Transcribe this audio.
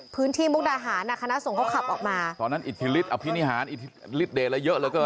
พื้นที่มุ่งดาหารอ่ะคณะสงฆ์เขาขับออกมาตอนนั้นอิทธิฤทธิ์อภินิหารอิทธิฤทธิ์เดร์แล้วเยอะเหลือเกิน